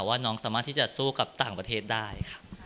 ว่าน้องสามารถที่จะสู้กับต่างประเทศได้ค่ะ